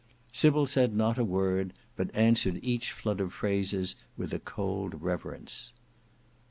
Sybil said not a word, but answered each flood of phrases with a cold reverence.